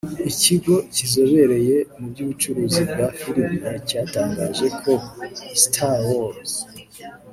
ikigo kizobereye mu by’ubucuruzi bwa film cyatangaje ko Star Wars